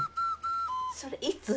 それいつ？